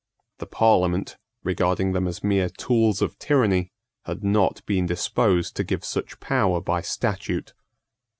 The Parliament, regarding them as mere tools of tyranny, had not been disposed to give such power by statute.